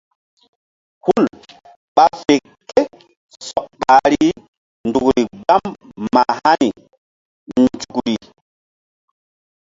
Hul ɓa fe ké sɔk ɓahri nzukri gbam mah hani nzukri.